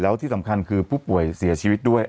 แล้วที่สำคัญคือผู้ป่วยเสียชีวิตด้วย